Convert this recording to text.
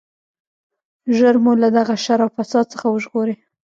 ژر مو له دغه شر او فساد څخه وژغورئ.